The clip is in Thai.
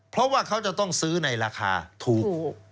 เพราะว่าเขาจะต้องซื้อในราคาถูก